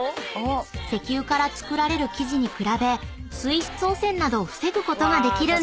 ［石油から作られる生地に比べ水質汚染などを防ぐことができるんです］